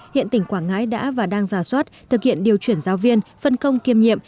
hiện tỉnh quảng ngãi đã và đang giả soát thực hiện điều chuyển giáo viên phân công kiêm nhiệm